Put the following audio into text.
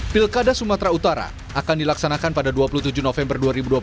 pilkada sumatera utara akan dilaksanakan pada dua puluh tujuh november dua ribu dua puluh